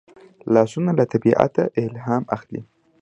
لاسونه له طبیعته الهام اخلي